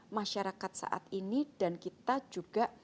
masyarakat saat ini dan kita juga